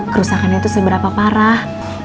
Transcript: kerusakannya itu seberapa parah